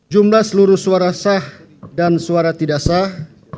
jumlah seluruh suara sah dan suara tidak sah